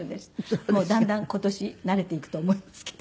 もうだんだん今年慣れていくと思いますけど。